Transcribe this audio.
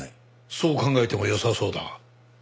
そう考えてもよさそうだ。